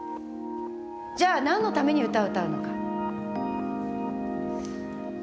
じゃあ何のために歌を歌うのか。